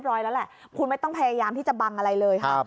ร้อยแล้วแหละคุณไม่ต้องพยายามที่จะบังอะไรเลยค่ะ